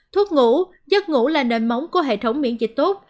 thuốc ngủ giấc ngủ là nền móng của hệ thống miễn dịch tốt